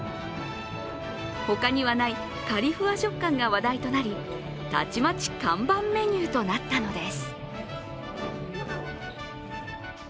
他にはない、かりふわ食感が話題となりたちまち看板メニューとなったのです。